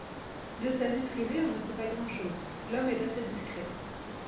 De sa vie privée on ne sait pas grand chose, l'homme est assez discret.